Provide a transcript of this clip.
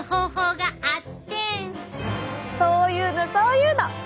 そういうのそういうの！